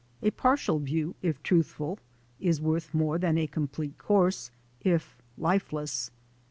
A partial view, if truthful, is worth more than a complete course, if lifeless.